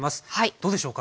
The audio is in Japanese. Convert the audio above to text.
どうでしょうか？